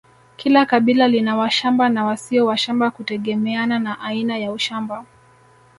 Kila kabila lina washamba na wasio washamba kutegemeana na aina ya ushamba